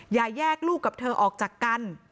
แยกลูกกับเธอออกจากกัน